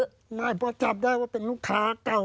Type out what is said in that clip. ใช่เพราะจับได้ว่าเป็นลูกค้าเก่า